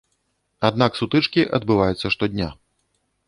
Аднак сутычкі адбываюцца штодня.